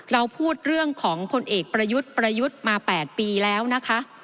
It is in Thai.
เราพูดเรื่องของพลเอกประยุทธ์ประยุทธ์มา๘ปีแล้วนะคะ